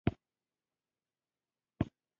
اوبه له اسمانه نازلېږي.